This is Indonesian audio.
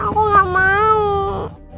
aku gak mau